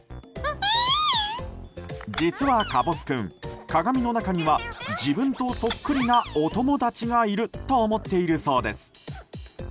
実は、かぼす君鏡の中には自分とそっくりなお友達がいると思っているそうです。